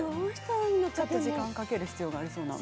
時間をかける必要がありそうな。